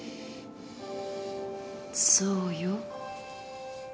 そうよ。